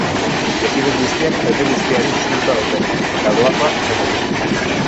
Ekimen guztiak jende guztiari zuzenduta daude, eta doakoak izango dira.